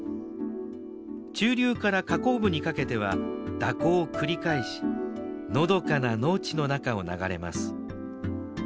中流から河口部にかけては蛇行を繰り返しのどかな農地の中を流れます。